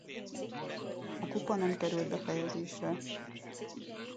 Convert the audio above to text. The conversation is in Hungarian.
A kupa nem került befejezésre.